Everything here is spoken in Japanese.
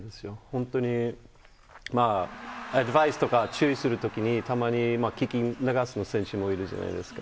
本当にアドバイスとか注意するときに、たまに聞き流す選手もいるじゃないですか。